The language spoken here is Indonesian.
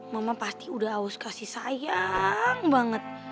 mama pasti udah haus kasih sayang banget